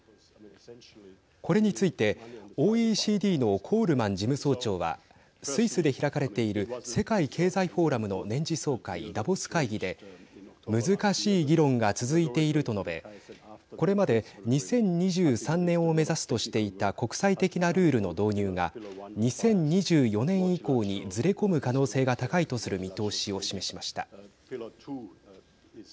これについてＯＥＣＤのコールマン事務総長はスイスで開かれている世界経済フォーラムの年次総会ダボス会議で難しい議論が続いていると述べこれまで２０２３年を目指すとしていた国際的なルールの導入が２０２４年以降にずれ込む可能性が高いとする見通しを示しました。